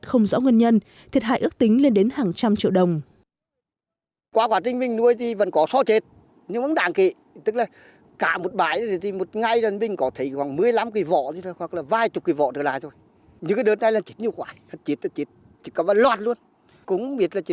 không rõ nguyên nhân thiệt hại ước tính lên đến hàng trăm triệu đồng